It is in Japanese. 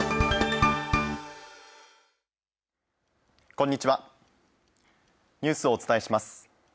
こんにちはニュースをお伝えします。